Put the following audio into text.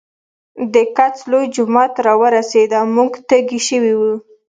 د کڅ لوے جومات راورسېدۀ مونږ تږي شوي وو